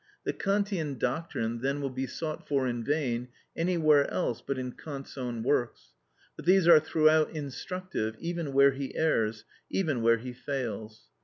The Kantian doctrine then will be sought for in vain anywhere else but in Kant's own works; but these are throughout instructive, even where he errs, even where he fails.